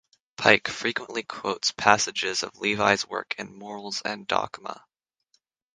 Pike frequently quotes passages of Levi's work in "Morals and Dogma".